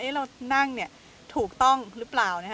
เอ๊ะเรานั่งเนี่ยถูกต้องหรือเปล่านะคะ